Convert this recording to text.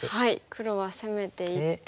黒は攻めていって。